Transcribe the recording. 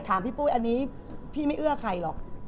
ถามพี่ปุ้ยอันนี้พี่ไม่เอื้อใครหรอก